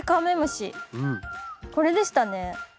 これでしたね。